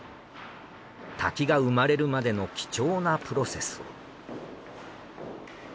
「滝」が生まれるまでの貴重なプロセスを。